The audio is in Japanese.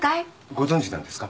ご存じなんですか？